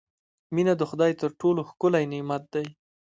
• مینه د خدای تر ټولو ښکلی نعمت دی.